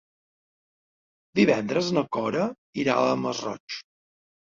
Divendres na Cora irà al Masroig.